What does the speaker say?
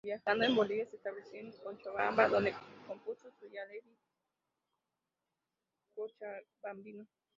Viajando a Bolivia, se estableció en Cochabamba donde compuso su ‘Yaraví Cochabambino’.